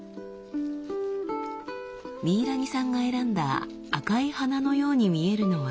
ミイラニさんが選んだ赤い花のように見えるのはリコ。